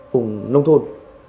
cùng nông thôn